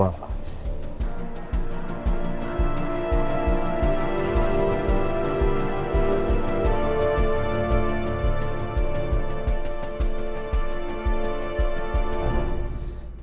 oh juga lebut